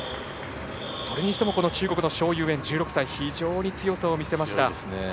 それにしても中国の蒋裕燕、１６歳が非常に強さを見せました。